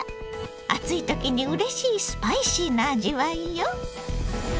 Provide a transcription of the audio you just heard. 暑い時にうれしいスパイシーな味わいよ。